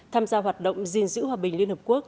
tham gia hoạt động gìn giữ hòa bình liên hợp quốc